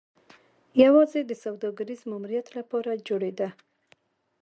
یوازې د سوداګریز ماموریت لپاره جوړېده.